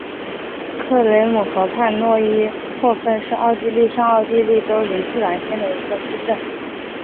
克雷姆河畔诺伊霍芬是奥地利上奥地利州林茨兰县的一个市镇。